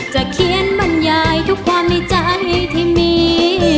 เขียนบรรยายทุกความในใจที่มี